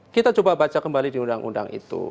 kita coba baca kembali di undang undang itu